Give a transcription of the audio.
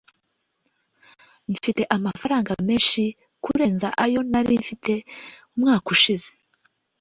mfite amafaranga menshi kurenza ayo nari mfite umwaka ushize